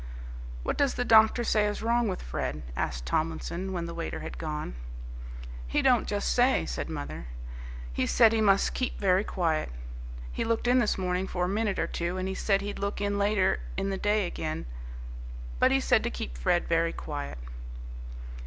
"What does the doctor say is wrong with Fred?" asked Tomlinson, when the waiter had gone. "He don't just say," said mother; "he said he must keep very quiet. He looked in this morning for a minute or two, and he said he'd look in later in the day again. But he said to keep Fred very quiet."